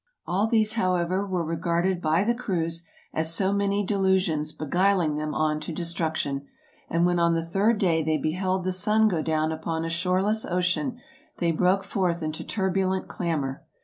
All these, however, were regarded by the crews as so many delusions beguiling them on to destruction ; and when on the third day they beheld the sun go down upon a shore less ocean, they broke forth into turbulent clamor.